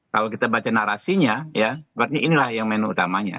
kalau kita baca narasinya ya sepertinya inilah yang menu utamanya